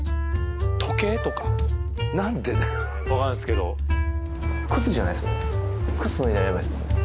時計とか何でだよ分からないですけど靴ぬいだらダメですもんね